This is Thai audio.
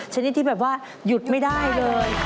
ชนิดที่แบบว่าหยุดไม่ได้เลย